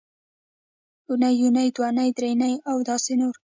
اونۍ یونۍ دونۍ درېنۍ او داسې نور